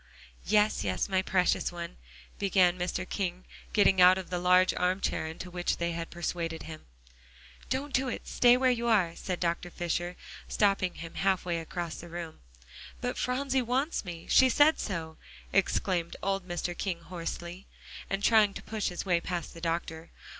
"Yes, yes, my precious one," began Mr. King, getting out of the large arm chair into which they had persuaded him. "Don't do it. Stay where you are," said Dr. Fisher, stopping him half way across the room. "But Phronsie wants me; she said so," exclaimed old Mr. King hoarsely, and trying to push his way past the doctor.